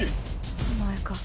お前か？